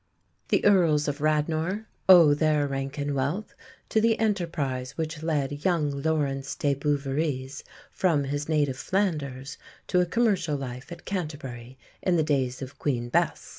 The Earls of Radnor owe their rank and wealth to the enterprise which led young Laurence des Bouveries from his native Flanders to a commercial life at Canterbury in the days of Queen Bess.